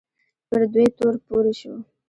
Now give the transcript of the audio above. پر دوی تور پورې شو